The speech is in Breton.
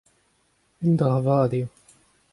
un dra vat eo.